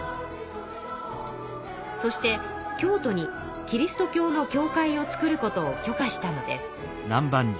そして京都にキリスト教の教会を造ることを許可したのです。